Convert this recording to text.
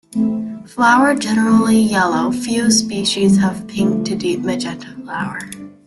Flower generally yellow, few species have pink to deep magenta flower.